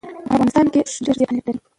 په افغانستان کې اوښ ډېر زیات اهمیت لري.